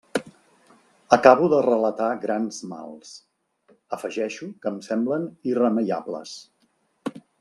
Acabo de relatar grans mals; afegeixo que em semblen irremeiables.